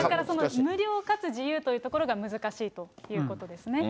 無料かつ自由というのが難しいということですね。